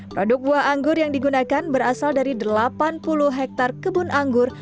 produk buah anggur yang digunakan berasal dari delapan puluh hektare kebun anggur